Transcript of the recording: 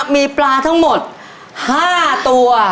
มีปลาทั้งหมด๕ตัว